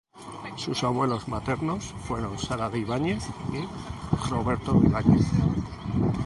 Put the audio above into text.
Sus abuelos maternos fueron Sara de Ibáñez y Roberto Ibáñez.